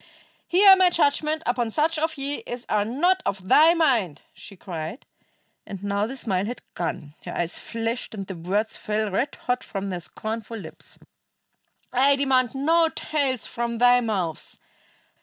"Hear my judgment upon such of ye as are not of thy mind," she cried, and now the smile had gone; her eyes flashed and the words fell red hot from her scornful lips. "I demand no tales from thy mouths.